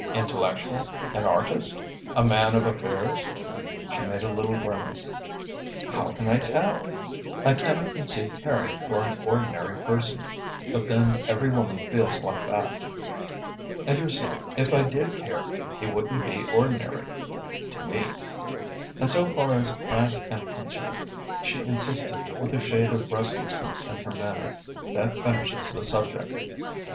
Intellectual? An artist? A man of affairs?" She made a little grimace. "How can I tell? I cannot conceive caring for an ordinary person, but then every woman feels like that. And, you see, if I did care, he wouldn't be ordinary to me. And so far as I am concerned," she insisted, with a shade of restlessness in her manner, "that finishes the subject.